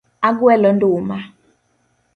Agwelo nduma.